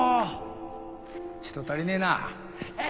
ちっと足りねぇな。